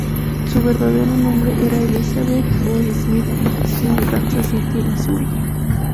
Su verdadero nombre era Elizabeth Boyd Smith, y nació en Kansas City, Missouri.